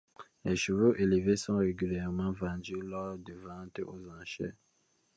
Les chevaux élevés sont régulièrement vendus lors de ventes aux enchères.